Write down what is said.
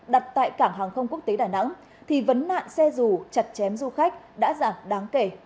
đặt tại cảng hàng không quốc tế đà nẵng thì vấn nạn xe dù chặt chém du khách đã giảm đáng kể